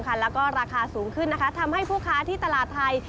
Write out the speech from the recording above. และราคาสูงขึ้นทำให้ผู้ค้าที่ตลาดไทย